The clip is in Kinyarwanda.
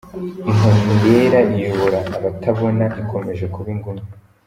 Inkoni yera iyobora abatabona ikomeje kuba ingume